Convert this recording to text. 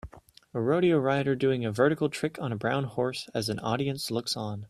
A rodeo rider doing a vertical trick on a brown horse as an audience looks on